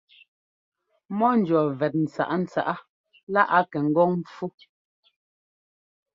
Mɔ ńjʉɔ́ vɛt ntsǎꞌntsǎꞌa lá a kɛ ŋgɔ́ŋ ḿpfú.